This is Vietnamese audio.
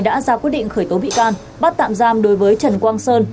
đã ra quyết định khởi tố bị can bắt tạm giam đối với trần quang sơn